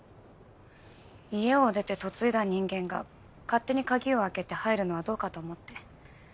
家を出て嫁いだ人間が勝手に鍵を開けて入るのはどうかと思って。